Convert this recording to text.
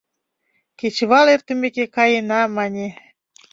Кечывал эртымеке каена, мане.